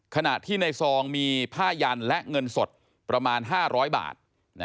ขณะที่ในซองมีผ้ายันและเงินสดประมาณ๕๐๐บาท